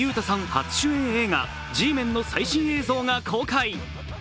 初主演映画「Ｇメン」の最新映像が公開。